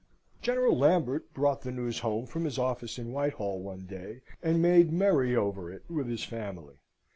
General Lambert brought the news home from his office in Whitehall one day, and made merry over it with his family.